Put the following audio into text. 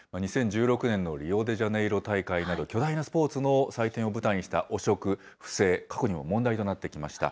２０１６年のリオデジャネイロ大会など、巨大なスポーツの祭典を舞台にした汚職、不正、過去にも問題となってきました。